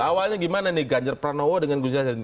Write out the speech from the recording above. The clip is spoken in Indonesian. awalnya gimana nih ganjar pranowo dengan gus yasin